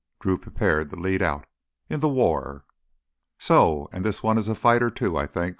Drew prepared to lead out. "In the war." "So. And this one is a fighter, too. I think.